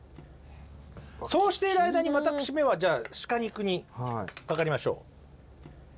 そうしている間に私めはシカ肉にかかりましょう。